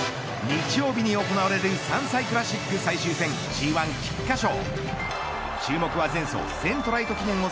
日曜日に行われる３歳クラシック最終戦Ｇ１菊花賞。